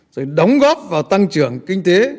rồi đóng góp vào tăng trưởng kinh tế